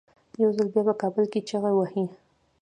یو ځل بیا په کابل کې چیغې وهي.